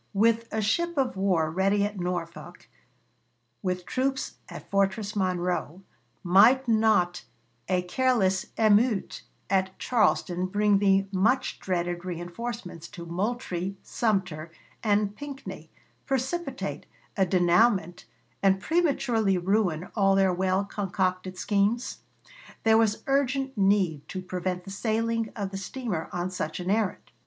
With a ship of war ready at Norfolk, with troops at Fortress Monroe, might not a careless émeute at Charleston bring the much dreaded reënforcements to Moultrie, Sumter, and Pinckney, precipitate a dénouement, and prematurely ruin all their well concocted schemes? There was urgent need to prevent the sailing of the steamer on such an errand.